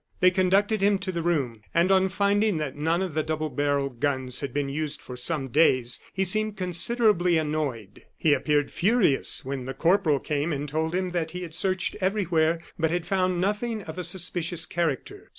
They conducted him to the room, and on finding that none of the double barrelled guns had been used for some days, he seemed considerably annoyed. He appeared furious when the corporal came and told him that he had searched everywhere, but had found nothing of a suspicious character.